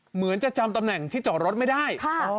เหมือนจะจำตำแหน่งที่จอดรถไม่ได้